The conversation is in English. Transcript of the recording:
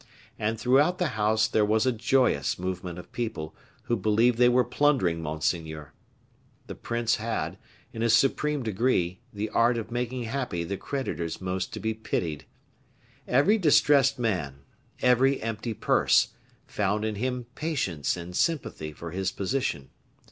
And throughout the house there was a joyous movement of people who believed they were plundering monseigneur. The prince had, in a supreme degree, the art of making happy the creditors most to be pitied. Every distressed man, every empty purse, found in him patience and sympathy for his position.